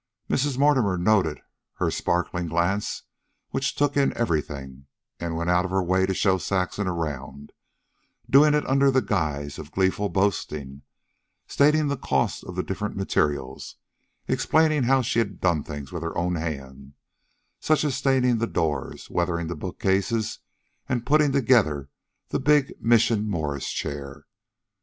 Mrs. Mortimer noted her sparkling glances which took in everything, and went out of her way to show Saxon around, doing it under the guise of gleeful boastings, stating the costs of the different materials, explaining how she had done things with her own hands, such as staining the doors, weathering the bookcases, and putting together the big Mission Morris chair.